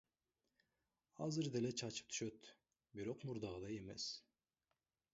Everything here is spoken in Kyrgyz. Азыр деле чачым түшөт, бирок мурдагыдай эмес.